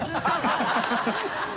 ハハハ